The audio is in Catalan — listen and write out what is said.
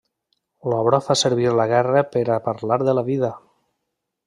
L'obra fa servir la guerra per a parlar de la vida.